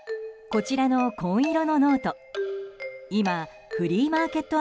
こちらの紺色のノート。